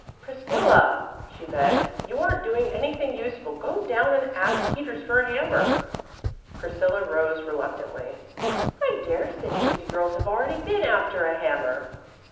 "Priscilla," she begged, "you aren't doing anything useful. Go down and ask Peters for a hammer." Priscilla rose reluctantly. "I dare say fifty girls have already been after a hammer."